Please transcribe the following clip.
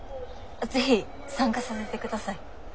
ぜひ参加させてください。